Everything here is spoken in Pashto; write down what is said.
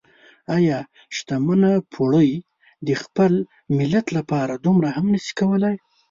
ايا شتمنه پوړۍ د خپل ملت لپاره دومره هم نشي کولای؟